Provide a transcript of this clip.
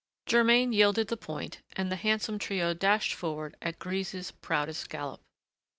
Germain yielded the point, and the handsome trio dashed forward at Grise's proudest gallop.